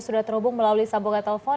sudah terhubung melalui sambungan telepon